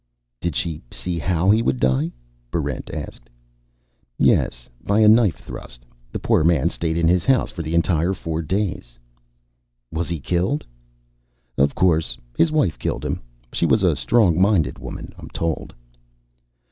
"Did she see how he would die?" Barrent asked. "Yes. By a knife thrust. The poor man stayed in his house for the entire four days." "Was he killed?" "Of course. His wife killed him. She was a strong minded woman, I'm told."